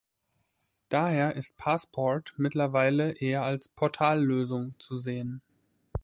Daher ist Passport mittlerweile eher als Portal-Lösung zu sehen.